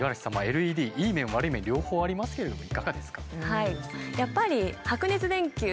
ＬＥＤいい面悪い面両方ありますけれどもいかがですか？